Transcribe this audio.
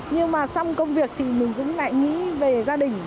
nhưng mà xong công việc thì mình cũng lại nghĩ về gia đình